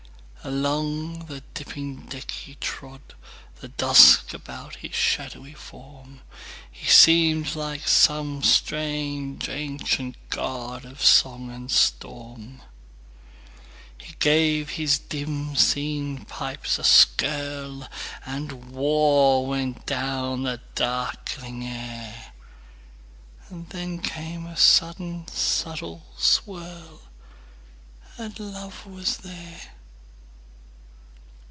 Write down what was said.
Along the dipping deck he trod, The dusk about his shadowy form; He seemed like some strange ancient godOf song and storm. He gave his dim seen pipes a skirlAnd war went down the darkling air; Then came a sudden subtle swirl, And love was there.